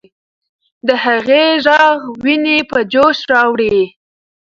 د هغې ږغ ويني په جوش راوړي.